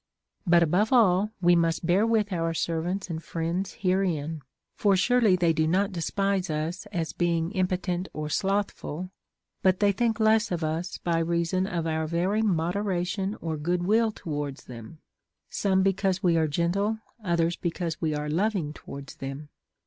But, above all, we must bear with our servants and friends herein ; for surely they do not despise us as being impotent or slothful, but they think less of us by reason of our very moderation or good will towards them, some because we are gentle, others be cause we are loving towards them.